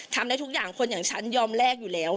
ทำได้ทุกอย่างคนอย่างฉันยอมแลกอยู่แล้ว